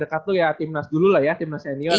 dekat lu ya timnas dulu lah ya timnas senior ya